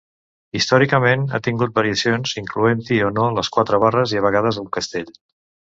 Històricament, ha tingut variacions, incloent-hi o no les quatre barres i a vegades un castell.